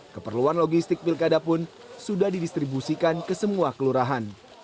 keperluan logistik pilkada pun sudah didistribusikan ke semua kelurahan